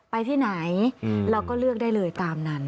ไปที่ไหนเราก็เลือกได้เลยตามนั้น